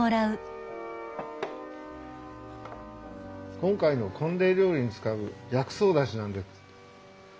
今回の婚礼料理に使う薬草だしなんです。